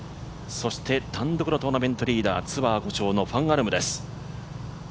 そして単独のトーナメントリーダー、ツアー５勝のファン・アルムです。